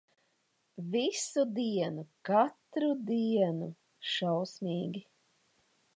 Visu dienu, katru dienu. Šausmīgi.